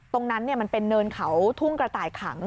ตรงนั้นมันเป็นเนินเขาทุ่งกระต่ายขัง